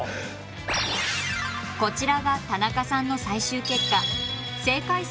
こちらが田中さんの最終結果。